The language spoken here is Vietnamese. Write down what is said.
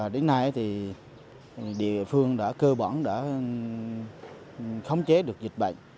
đến nay thì địa phương đã cơ bản đã khống chế được dịch bệnh